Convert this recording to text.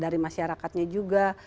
dari masyarakatnya juga